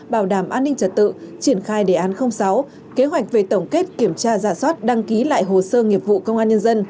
bảo đảm an ninh trật tự triển khai đề án sáu kế hoạch về tổng kết kiểm tra giả soát đăng ký lại hồ sơ nghiệp vụ công an nhân dân